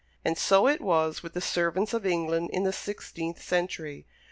And so it was with the servants of England in the sixteenth century.